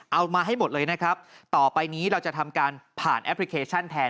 เอามาให้หมดเลยนะครับต่อไปนี้เราจะทำการผ่านแอปพลิเคชันแทน